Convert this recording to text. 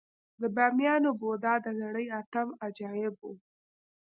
د بامیانو بودا د نړۍ اتم عجایب و